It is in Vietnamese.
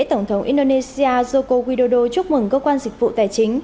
tổng thống indonesia joko widodo chúc mừng cơ quan dịch vụ tài chính